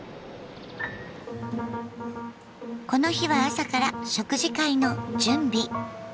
この日は朝から食事会の準備。